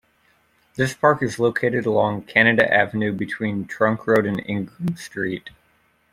This park is located along Canada Avenue between Trunk Road and Ingram Street.